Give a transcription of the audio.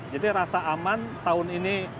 jadi rasa aman tahun ini